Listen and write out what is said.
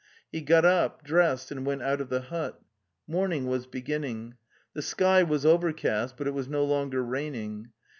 He got up, dressed, and went out of the hut. Morning was beginning. The sky was overcast, but it was no longer raining.